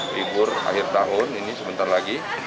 libur akhir tahun ini sebentar lagi